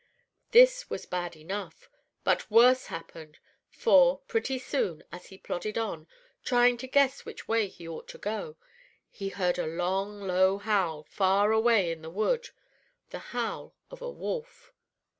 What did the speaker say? "This was bad enough, but worse happened; for, pretty soon, as he plodded on, trying to guess which way he ought to go, he heard a long, low howl far away in the wood, the howl of a wolf.